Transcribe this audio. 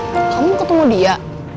kamu ketemu dia